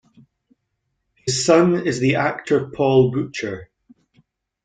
His son is the actor Paul Butcher.